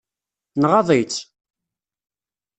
Nɣaḍ-itt?